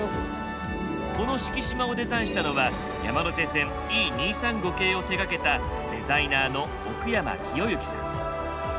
この四季島をデザインしたのは山手線Ｅ２３５系を手掛けたデザイナーの奥山清行さん。